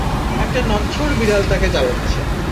একটা নচ্ছার বিড়াল তাঁকে জ্বালাচ্ছে।